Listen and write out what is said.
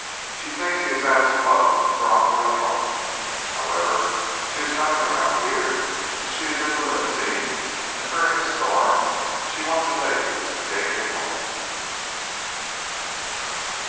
She thinks he is at his club or on the way home. However, she is coming around here, as she is in the limousine, and fearing a storm, she wants to take Mr. Gately home."